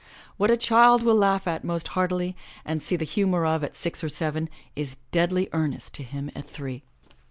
What a child will laugh at most heartily and see the humor of at six or seven is deadly earnest to him at three.